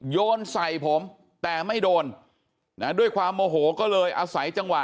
โยนใส่ผมแต่ไม่โดนนะด้วยความโมโหก็เลยอาศัยจังหวะ